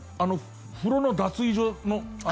風呂の脱衣所。